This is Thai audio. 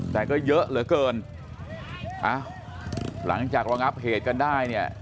แต่ก็เยอะเหลือเกินอ้าวหลังจากระงับเหตุกันได้เนี่ย